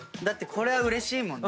これはうれしいもんね。